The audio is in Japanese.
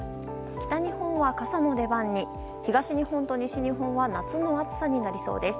北日本は傘の出番に東日本と西日本は夏の暑さになりそうです。